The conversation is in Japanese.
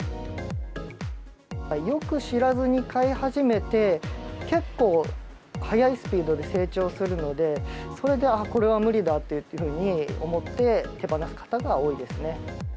よく知らずに飼い始めて、結構、速いスピードで成長するので、それで、あっ、これは無理だっていうふうに思って、手放す方が多いですね。